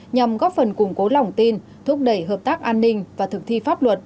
nhằm góp phần củng cố lỏng tin thúc đẩy hợp tác an ninh và thực thi pháp luật